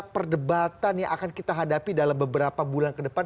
perdebatan yang akan kita hadapi dalam beberapa bulan ke depan